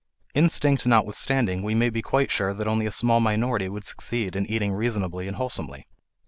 Instinct notwithstanding, we may be quite sure that only a small minority would succeed in eating reasonably and wholesomely.